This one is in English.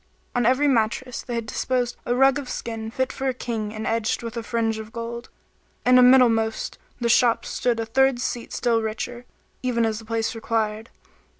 On every mattress they had disposed a rug of skin fit for a King and edged with a fringe of gold; and a middlemost the shop stood a third seat still richer, even as the place required.